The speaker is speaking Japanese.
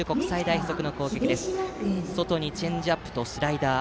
外にチェンジアップとスライダー。